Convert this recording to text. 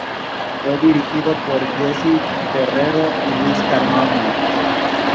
Fue dirigido por Jessy Terrero y Luis Carmona.